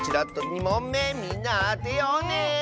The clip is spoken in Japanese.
２もんめみんなあてようね！